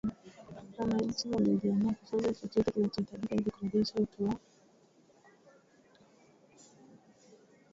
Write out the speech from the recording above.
wananchi wamejiandaa kufanya chochote kinachohitajika ili kurejesha utu wao.